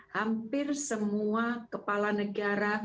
hampir semua kepala negara